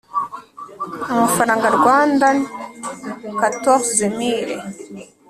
Rwf Rwandan Quatorze mille